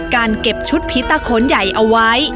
การเก็บชุดผีตะโขนใหญ่เอาไว้